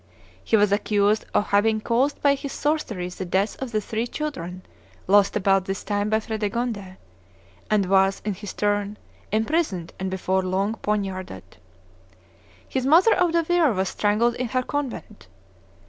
He was accused of having caused by his sorceries the death of the three children lost about this time by Fredegonde; and was, in his turn, imprisoned and before long poniarded. His mother Audovere was strangled in her convent.